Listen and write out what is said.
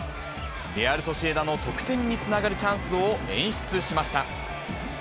レアルソシエダの得点につながるチャンスを演出しました。